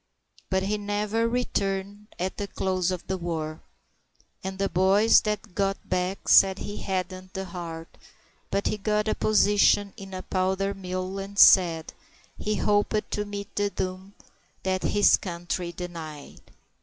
But he never returned at the close of the war, And the boys that got back said he hadn't the heart; But he got a position in a powder mill, and said He hoped to meet the doom that his country denied.